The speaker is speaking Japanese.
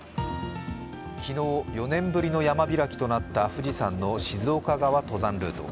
昨日、４年ぶりの山開きとなった富士山の静岡側登山ルート。